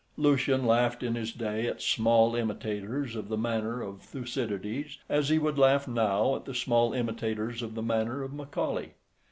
Lucian laughed in his day at small imitators of the manner of Thucydides, as he would laugh now at the small imitators of the manner of Macaulay.